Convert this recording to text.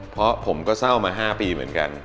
เพราะผมก็เศร้ามา๕ปีเหมือนกัน